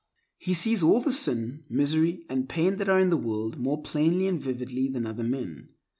He sees all the sin, misery, and pain that are in the world more plainly and vividly than other men.